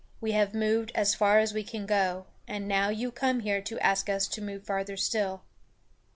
We have moved as far as we can go, and now you come here to ask us to move farther still."